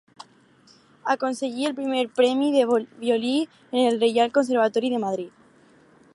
Aconseguí el primer premi de violí en el Reial Conservatori de Madrid.